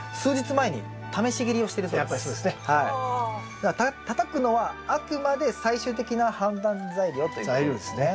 だからたたくのはあくまで最終的な判断材料ということですね。